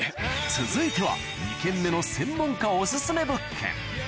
続いては２軒目の専門家オススメ物件